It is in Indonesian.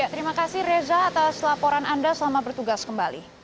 terima kasih reza atas laporan anda selamat bertugas kembali